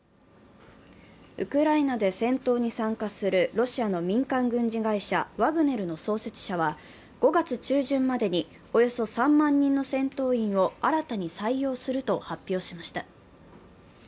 ウクライナで戦闘に参加するロシアの民間軍事会社、ワグネルの創設者は５月中旬までに、およそ３万人の戦闘員を新たに採用すると発表しました。